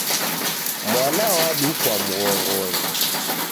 Mwana wadukwa mghongonyi